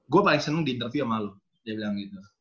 gue paling seneng di interview sama lu dia bilang gitu